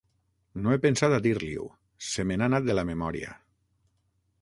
No he pensat a dir-li-ho: se me n'ha anat de la memòria.